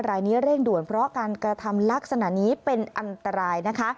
รายนี้เร่งด่วนเพราะการกระทำลักษณะนี้เป็นอันตรายนะคะ